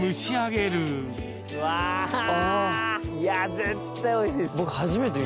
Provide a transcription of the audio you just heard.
絶対おいしいです！